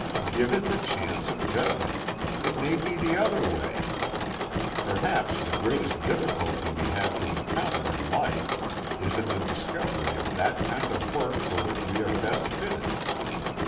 "Give it the chance of judging; it may be the other way. Perhaps the greatest difficulty we have to encounter in life is in the discovery of that kind of work for which we are best fitted.